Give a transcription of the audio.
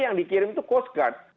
yang dikirim itu coast guard